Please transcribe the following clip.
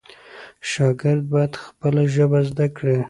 شاګرد باید خپله ژبه زده کړي.